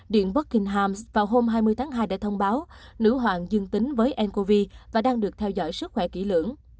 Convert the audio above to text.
điện buckingham vào hôm hai mươi tháng hai đã thông báo nữ hoàng dương tính với ncov và đang được theo dõi sức khỏe kỹ lưỡng